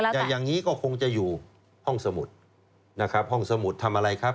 แต่อย่างนี้ก็คงจะอยู่ห้องสมุดนะครับห้องสมุดทำอะไรครับ